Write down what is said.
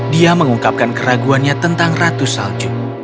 dia mengungkapkan keraguannya tentang ratu salju